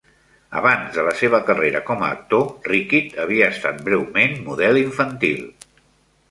Abans de la seva carrera com a actor, Rickitt havia estat breument model infantil.